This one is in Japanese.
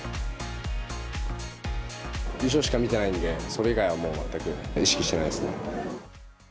優勝しか見てないんで、それ以外はもう全く意識してないです。